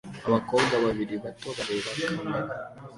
Abakobwa babiri bato bareba kamera